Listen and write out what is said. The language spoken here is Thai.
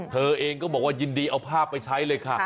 เธอเองก็บอกว่ายินดีเอาภาพไปใช้เลยค่ะ